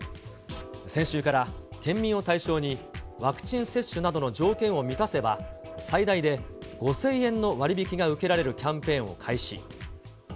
先週から県民を対象にワクチン接種などの条件を満たせば、最大で５０００円の割引が受けられるキャンペーンを開始。